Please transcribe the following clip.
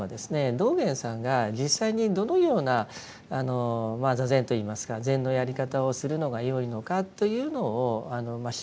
道元さんが実際にどのような坐禅といいますか禅のやり方をするのがよいのかというのを記した資料です。